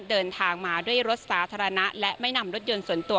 เดินทางมาด้วยรถสาธารณะและไม่นำรถยนต์ส่วนตัว